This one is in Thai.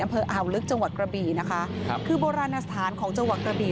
อ่าวลึกจังหวัดกระบี่นะคะครับคือโบราณสถานของจังหวัดกระบี่